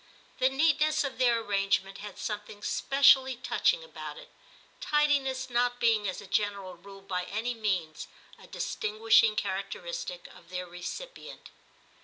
X TIM 213 The neatness of their arrangement had something specially touching about it, tidi ness not being as a general rule by any means a distinguishing characteristic of their recipient.